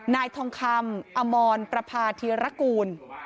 นายทองคำอมรประพาธีรกูล